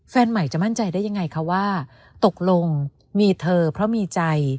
แฟนใหม่จะมั่นใจได้ยังไงคะว่าตกลงมีเธอเพราะมีใจ